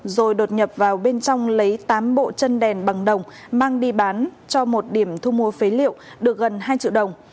rồi đột nhập vào bên trong lấy tám bộ chân đèn bằng đồng mang đi bán cho một điểm thu mua phế liệu được gần hai triệu đồng